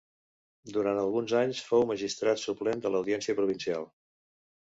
Durant alguns anys fou magistrat suplent de l'audiència provincial.